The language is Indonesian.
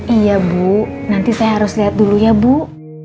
iya bu nanti saya harus lihat dulu ya bu